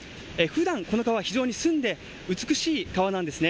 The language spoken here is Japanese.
普段この川は非常に澄んで美しい川なんですね。